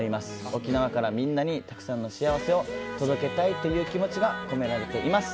沖縄からみんなにたくさんの幸せを届けたいって気持ちが込められています。